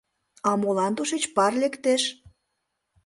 А молан тушеч пар лектеш?